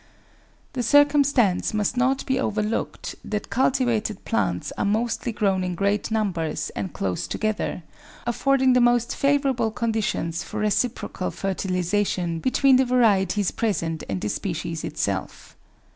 The circum stance must not be overlooked that cultivated plants are mostly grown in great numbers and close together, affording the most favourable conditions for reciprocal fertilisation between the varie ties present and the species itself.